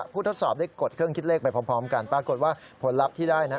ทดสอบได้กดเครื่องคิดเลขไปพร้อมกันปรากฏว่าผลลัพธ์ที่ได้นะ